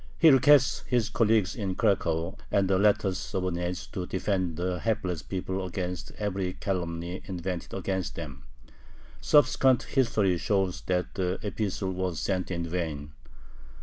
He requests his colleagues in Cracow and the latter's subordinates "to defend the hapless people against every calumny invented against them." Subsequent history shows that the epistle was sent in vain.